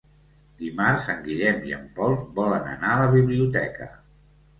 Dimarts en Guillem i en Pol volen anar a la biblioteca.